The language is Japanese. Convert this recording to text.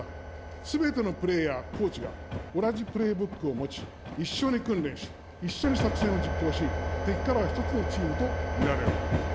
すべてのプレーヤー・コーチが、同じプレイブックを持ち、一緒に訓練し、一緒に作戦を実行し、敵からは１つのチームと見られる。